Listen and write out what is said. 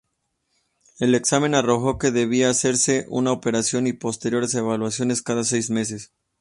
El examen arrojó que debía hacerse una operación y posteriores evaluaciones cada seis meses.